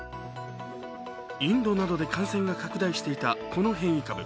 インドなどで感染が拡大していたこの変異株。